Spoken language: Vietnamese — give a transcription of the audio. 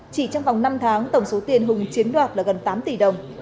chỉ trong vòng năm tháng tổng số tiền hùng chiếm đoạt là gần tám tỷ đồng